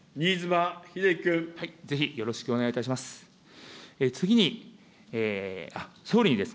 ぜひよろしくお願いいたします。